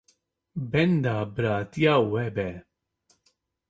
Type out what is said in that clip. Benda biratiya we me.